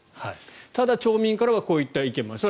ただ、町民からはこういった意見がある。